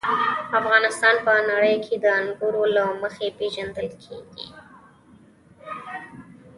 افغانستان په نړۍ کې د انګورو له مخې پېژندل کېږي.